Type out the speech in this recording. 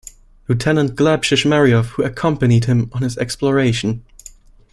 Lieutenant Gleb Shishmaryov who accompanied him on his exploration.